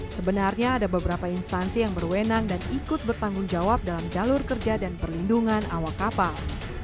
sebenarnya ada beberapa instansi yang berwenang dan ikut bertanggung jawab dalam jalur kerja dan perlindungan awak kapal